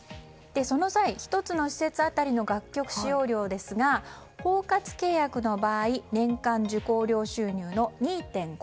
その際、１つの施設当たりの楽曲使用料ですが包括契約の場合、年間受講収入の２．５％。